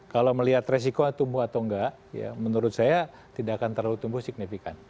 kalau melihat resiko tumbuh atau enggak ya menurut saya tidak akan terlalu tumbuh signifikan